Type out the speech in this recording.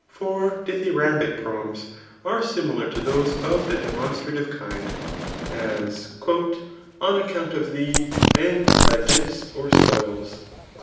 For dithyrambic proems are similar to those of the demonstrative kind ; as, '^ On account of thee, and thy gifts or spoils."